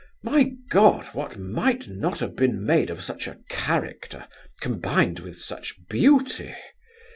My God! What might not have been made of such a character combined with such beauty!